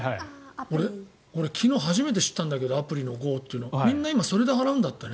俺、昨日初めて知ったんだけどアプリのＧＯってみんな今それで払うんだってね。